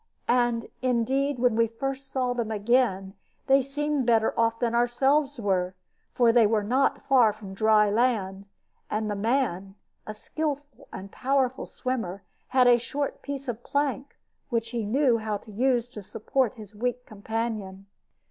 And indeed when first we saw them again they seemed better off than ourselves were. For they were not far from dry land, and the man (a skillful and powerful swimmer) had a short piece of plank, which he knew how to use to support his weak companion.